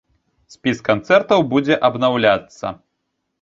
Спіс канцэртаў будзе абнаўляцца.